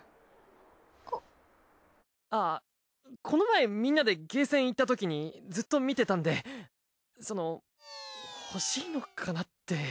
あぁこの前みんなでゲーセン行ったときにずっと見てたんでその欲しいのかなって。